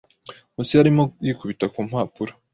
Nkusi yarimo yikubita ku mpapuro.